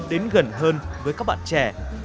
đến gần hơn với các bạn trẻ